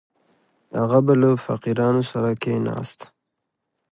هغه به له فقیرانو سره کښېناست.